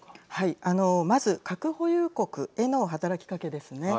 まず核保有国への働きかけですね。